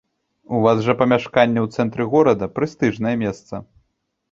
У вас жа памяшканне ў цэнтры горада, прэстыжнае месца.